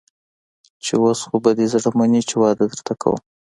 چې اوس خو به دې زړه مني چې واده درته کوم.